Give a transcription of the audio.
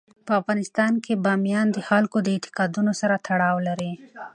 په افغانستان کې بامیان د خلکو د اعتقاداتو سره تړاو لري.